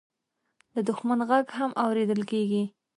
د دښمن غږ هم اورېدل کېږي.